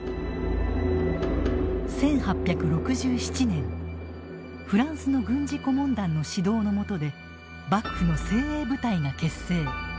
１８６７年フランスの軍事顧問団の指導の下で幕府の精鋭部隊が結成。